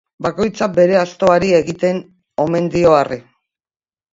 Bakoitzak bere astoari egiten omen dio arre.